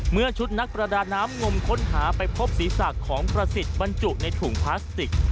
เมื่อชุดนักประดาน้ำงมค้นหาไปพบศีรษะของประสิทธิ์บรรจุในถุงพลาสติก